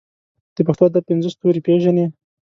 د پښتو ادب پنځه ستوري پېژنې.